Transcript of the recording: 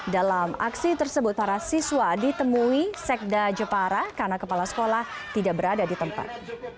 dalam aksi tersebut para siswa ditemui sekda jepara karena kepala sekolah tidak berada di tempat